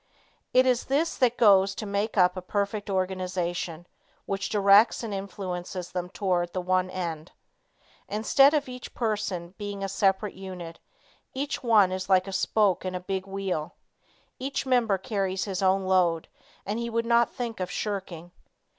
It is this that goes to make up a perfect organization, which directs and influences them toward the one end. Instead of each person being a separate unit, each one is like a spoke in a big wheel. Each member carries his own load, and he would not think of shirking.